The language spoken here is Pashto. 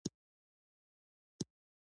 پلار د کور د خوښۍ سبب دی.